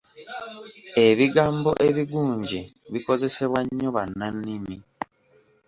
Ebigambo ebigunje bikozesebwa nnyo bannannimi.